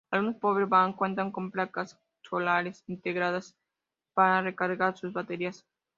Algunos power bank cuentan con placas solares integradas, para recargar sus baterías.